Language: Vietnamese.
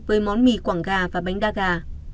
với món mì quảng gà và bánh đa gà